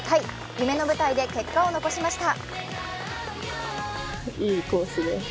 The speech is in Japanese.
夢の舞台で結果を残しました。